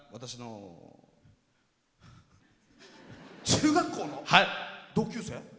中学校の同級生？